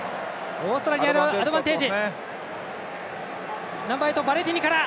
オーストラリアにアドバンテージ。